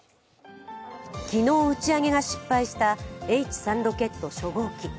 昨日打ち上げが失敗したＨ３ロケット初号機。